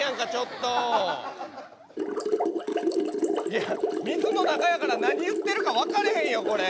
いや水の中やから何言ってるか分かれへんよこれ。